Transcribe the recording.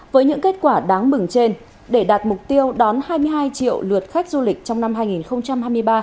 với những kết quả đáng mừng trên để đạt mục tiêu đón hai mươi hai triệu lượt khách du lịch trong năm hai nghìn hai mươi ba